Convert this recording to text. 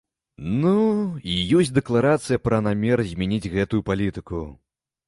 Ну, і ёсць дэкларацыя пра намер змяніць гэтую палітыку.